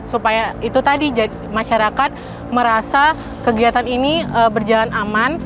supaya itu tadi masyarakat merasa kegiatan ini berjalan aman